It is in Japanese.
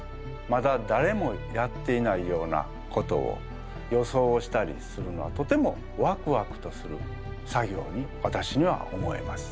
まだだれもやっていないようなことを予想をしたりするのはとてもワクワクとする作業にわたしには思えます。